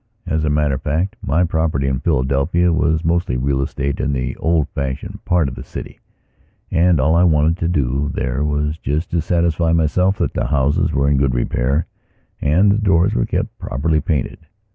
As a matter of fact, my property in Philadelphia was mostly real estate in the old fashioned part of the city and all I wanted to do there was just to satisfy myself that the houses were in good repair and the doors kept properly painted.